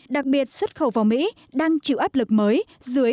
đặc biệt xuất khẩu vào mỹ đang chịu áp lực mới